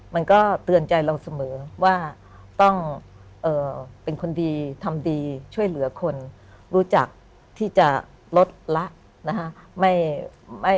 มันก็เตือนใจเราเสมอว่าต้องเป็นคนดีทำดีช่วยเหลือคนรู้จักที่จะลดละนะฮะ